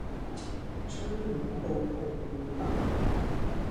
窗簾布紅與白